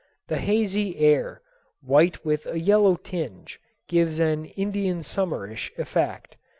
The hazy air, white with a yellow tinge, gives an Indian summerish effect.